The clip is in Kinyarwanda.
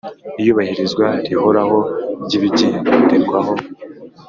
iyubahirizwa rihoraho ry ibigenderwaho